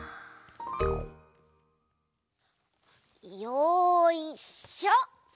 よいしょ！